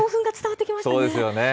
そうですよね。